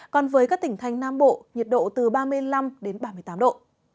còn với các tỉnh thành nam bộ nhiệt độ từ ba mươi năm đến ba mươi tám độ